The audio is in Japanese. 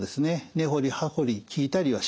根掘り葉掘り聞いたりはしない